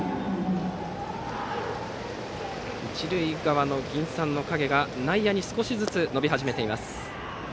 一塁側の銀傘の影が内野に少しずつ伸び始めています。